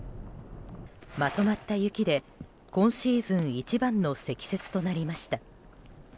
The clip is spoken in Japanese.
まとまった雪で今シーズン一番の積雪となりました。